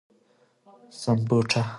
سمبوټه